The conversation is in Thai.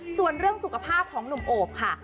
ส่วนเรื่องสุขภาพของหนุ่มโอบค่ะ